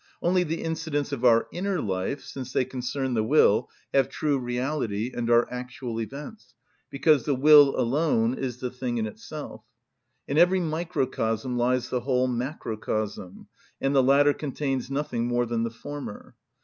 Only the incidents of our inner life, since they concern the will, have true reality, and are actual events; because the will alone is the thing in itself. In every microcosm lies the whole macrocosm, and the latter contains nothing more than the former.